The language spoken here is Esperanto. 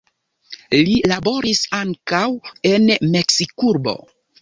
Li laboris ankaŭ en Meksikurbo.